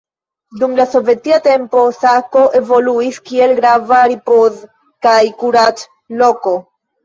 Dum la sovetia tempo Sako evoluis kiel grava ripoz- kaj kurac-loko.